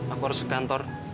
aku harus ke kantor